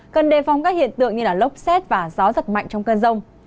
cần đề phong các hiện tượng như lốc xét và gió giật mạnh trong cơn rông